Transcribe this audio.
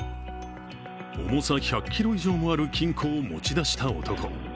重さ１００ｋｇ以上もある金庫を持ち出した男。